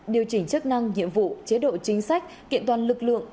điều chỉnh chức năng nhiệm vụ chế độ chính sách kiện toàn lực lượng